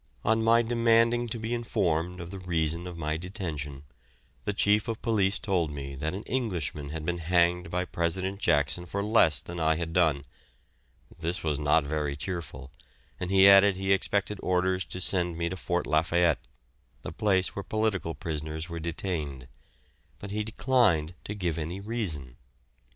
On my demanding to be informed of the reason of my detention, the Chief of Police told me that an Englishman had been hanged by President Jackson for less than I had done; this was not very cheerful, and he added he expected orders to send me to Fort Lafayette the place where political prisoners were detained but he declined to give any reason.